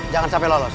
jangan sampai lolos